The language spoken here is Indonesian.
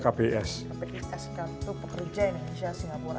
kps kartu pekerja indonesia singapura